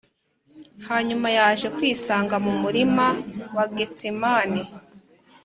hanyuma yaje kwisanga mu murima wa getsemani